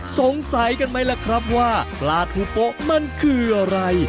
สงสัยกันไหมล่ะครับว่าปลาทูโป๊ะมันคืออะไร